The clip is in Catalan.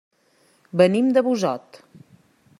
Venim de Busot.